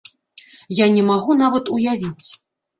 Я не магу нават уявіць.